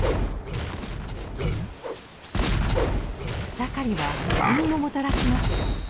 草刈りは恵みももたらします。